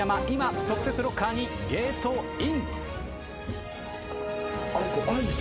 今特設ロッカーにゲートイン。